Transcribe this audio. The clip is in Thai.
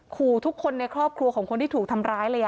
ขู่ทุกคนในครอบครัวของคนที่ถูกทำร้ายเลย